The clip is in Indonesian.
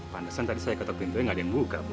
pantesan tadi saya ketok pintunya gak ada yang buka